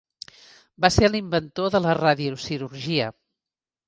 Va ser l'inventor de la radiocirurgia.